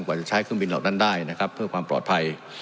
จะใช้เครื่องบินเหล่านั้นได้นะครับเพื่อความปลอดภัย